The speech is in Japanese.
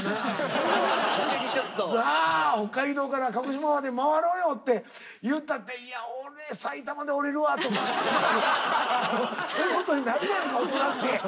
「北海道から鹿児島まで回ろうよ」って言ったって「俺埼玉で降りるわ」とか。そういうことになるやんか大人って。